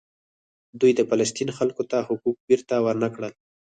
دوی د فلسطین خلکو ته حقوق بیرته ورنکړل.